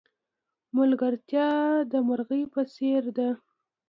ملگرتیا د مرغی په څېر ده.